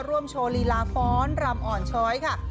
โชว์ลีลาฟ้อนรำอ่อนช้อยค่ะ